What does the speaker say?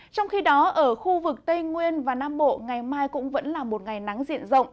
trong khi đó ở khu vực tây nguyên và nam bộ ngày mai cũng vẫn là một ngày nắng diện rộng